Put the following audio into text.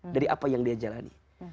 dari apa yang dia jalani